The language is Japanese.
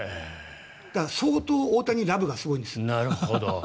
だから、相当、大谷ラブがすごいんです。